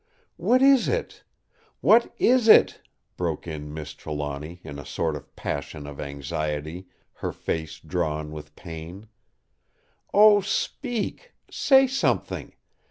"What is it? what is it?" broke in Miss Trelawny in a sort of passion of anxiety, her face drawn with pain. "Oh, speak! Say something!